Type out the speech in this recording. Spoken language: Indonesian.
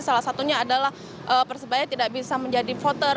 salah satunya adalah persebaya tidak bisa menjadi voter